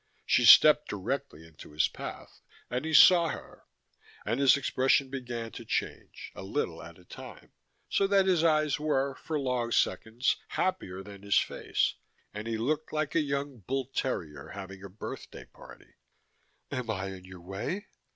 She stepped directly into his path and he saw her, and his expression began to change, a little at a time, so that his eyes were, for long seconds, happier than his face, and he looked like a young bull terrier having a birthday party. "Am I in your way?"